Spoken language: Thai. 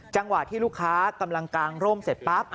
จังหวะที่ลูกค้ากำลังกางร่มเสร็จปั๊บ